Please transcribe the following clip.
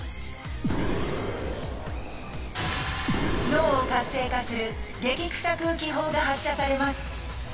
脳を活性化する激クサ空気砲が発射されます。